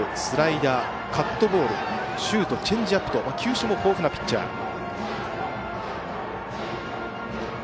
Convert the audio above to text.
スライダーカットボール、シュートチェンジアップと球種も豊富なピッチャー。